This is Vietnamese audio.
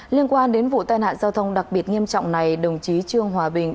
liên quan đến vụ tai nạn giao thông đặc biệt nghiêm trọng này đồng chí trương hòa bình